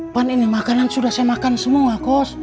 pan ini makanan sudah saya makan semua kos